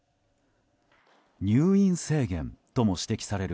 入院制限とも指摘される